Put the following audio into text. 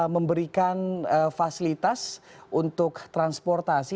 memperkenalkan fasilitas untuk transportasi